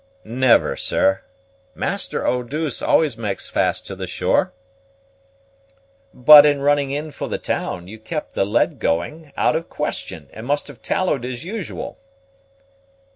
"Never, sir. Master Eau douce always makes fast to the shore." "But in running in for the town, you kept the lead going, out of question, and must have tallowed as usual."